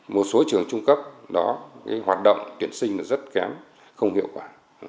một số trường trung cấp đó hoạt động tuyển sinh rất kém không hiệu quả